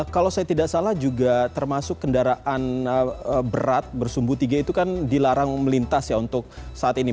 kalau saya tidak salah juga termasuk kendaraan berat bersumbu tiga itu kan dilarang melintas ya untuk saat ini